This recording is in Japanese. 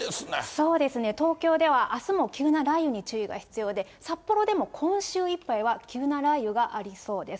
そうですね、東京ではあすも急な雷雨に注意が必要で、札幌でも今週いっぱいは急な雷雨がありそうです。